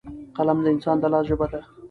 قلم د انسان د لاس ژبه ده.